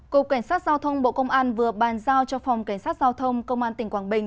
cục cảnh sát giao thông bộ công an vừa bàn giao cho phòng cảnh sát giao thông công an tỉnh quảng bình